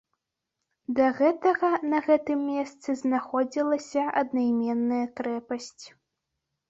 Да гэтага на гэтым месцы знаходзілася аднайменная крэпасць.